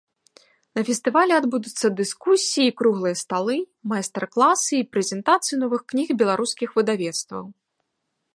На фестывалі адбудуцца дыскусіі і круглыя сталы, майстар-класы і прэзентацыі новых кніг беларускіх выдавецтваў.